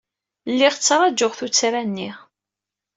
Lliɣ ttṛajuɣ tuttra-nni.